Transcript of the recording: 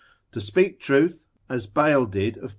To speak truth, as Bale did of P.